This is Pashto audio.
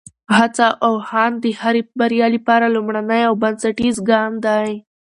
هڅه او هاند د هرې بریا لپاره لومړنی او بنسټیز ګام دی.